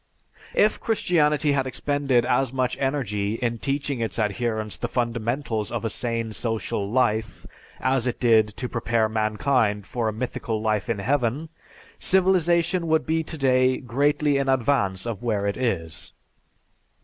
If Christianity had expended as much energy in teaching its adherents the fundamentals of a sane social life, as it did to prepare mankind for a mythical life in Heaven, civilization would be today greatly in advance of where it is.